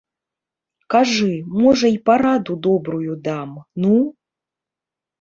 Кажы, можа, і параду добрую дам, ну?